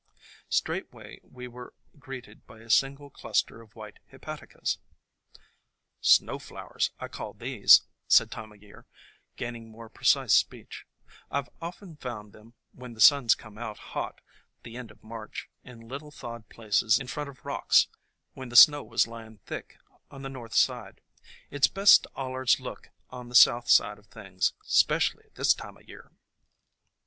Straightway we were greeted by a single cluster of white Hepaticas. "Snow Flowers, I call these," said Time o' Year, gaining more precise speech. "I 've often found them, when the sun 's come out hot the end of March, in little thawed places in front of rocks when the snow was lying thick on the THE COMING OF SPRING 13 north side. It 's best to allers look on the south side of things, specially this time o' year."